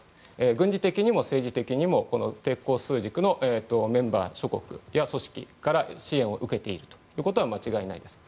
軍事的にも政治的にも抵抗枢軸のメンバー、諸国組織から支援を受けていることは間違いありません。